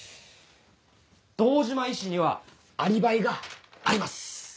堂島医師にはアリバイがあります。